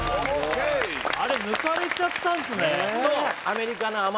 あれ抜かれちゃったんすね